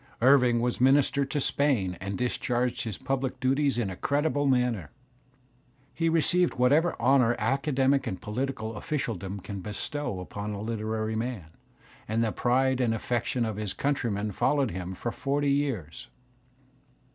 Irving was minister to Spain and discharged his public duties in a creditable manner. He received whatever honour academic and political officialdom can bestow upon a literary man, and the pride and aflFection of his countrymen followed him for forty years.